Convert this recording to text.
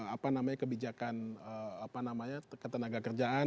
apa namanya kebijakan ketenaga kerjaan